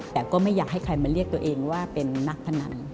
แต่ก็ไม่อยากให้ใครมาเรียกตัวเองว่าเป็นนักพนัน